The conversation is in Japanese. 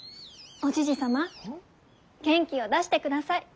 おじじ様元気を出してください。